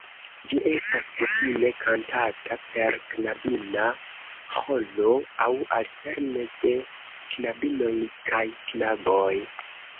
Ĝi estas kutime kantata per knabina ĥoro aŭ alterne de knabinoj kaj knaboj.